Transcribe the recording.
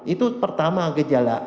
itu pertama gejala